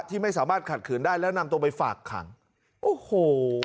ที่ไม่สามารถขัดขืนได้แล้วนำตัวไปฝากขังโอ้โห